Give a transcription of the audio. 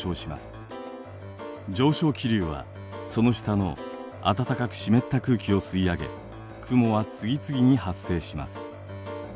上昇気流はその下の暖かく湿った空気を吸い上げ雲は次々に発生します。